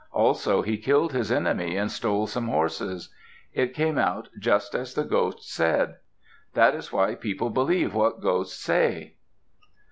Also he killed his enemy and stole some horses. It came out just as the ghost said. That is why people believe what ghosts say.